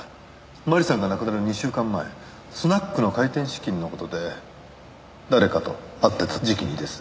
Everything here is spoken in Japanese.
麻里さんが亡くなる２週間前スナックの開店資金の事で誰かと会ってた時期にです。